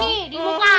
nih di muka